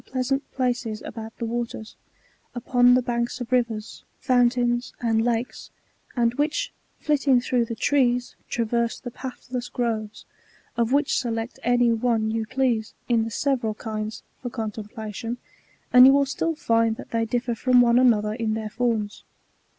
67 pleasant places about the waters, upon the banks of rivers, fountains, and lakes, and which, flitting through the trees, traverse the pathless groves ; of which select any one you please, in the several kinds, for contemplation, and you will still find that they differ from one another in their forms.